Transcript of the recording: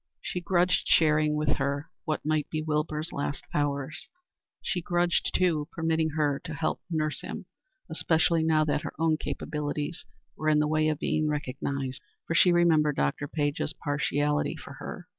She grudged sharing with her what might be Wilbur's last hours. She grudged, too, permitting her to help to nurse him, especially now that her own capabilities were in the way of being recognized, for she remembered Dr. Page's partiality for her.